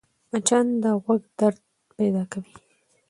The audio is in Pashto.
مچان د غوږ درد پیدا کوي